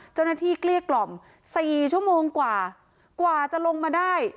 เจ้าหน้าที่เกลสี่ชั่วโมงกว่ากว่าจะลงมาได้